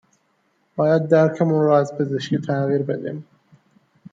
باید درکمون رو از پزشکی تغییر بدیم